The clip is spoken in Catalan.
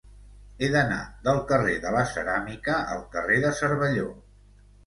He d'anar del carrer de la Ceràmica al carrer de Cervelló.